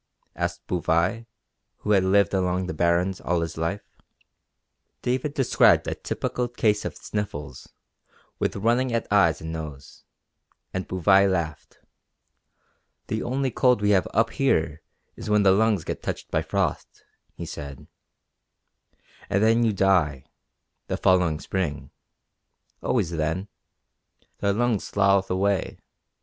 asked Bouvais, who had lived along the Barrens all his life. David described a typical case of sniffles, with running at eyes and nose, and Bouvais laughed. "The only cold we have up here is when the lungs get touched by frost," he said, "and then you die the following spring. Always then. The lungs slough away."